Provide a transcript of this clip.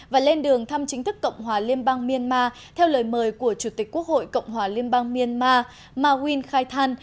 và lên đường thăm chính thức cộng hòa liên bang miên ma theo lời mời của chủ tịch quốc hội cộng hòa liên bang miên ma ma win khai than